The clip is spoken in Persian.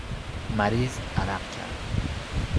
مریض عرق کرد.